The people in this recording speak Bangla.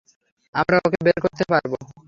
আমরা ওকে বের করতে পারব!